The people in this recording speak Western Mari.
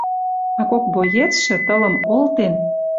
А кок боецшӹ, тылым олтен